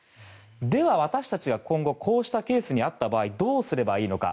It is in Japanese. では、私たちは今後こうしたケースに遭った場合どうすればいいのか。